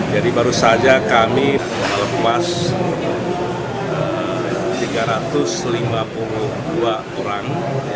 jadi baru saja kami lepas tiga ratus lima puluh dua orang